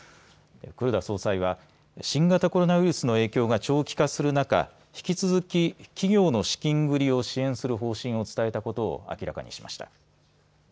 黒田総裁は新型コロナウイルスの影響が長期化する中、引き続き企業の資金繰りを支援する方針を伝えたことを明らかにしました。